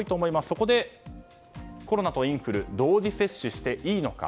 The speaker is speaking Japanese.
そこで、コロナとインフル同時接種していいのか。